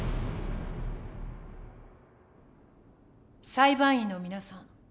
裁判員の皆さん